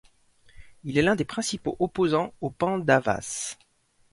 Il est l'un des principaux opposants aux Pândavas.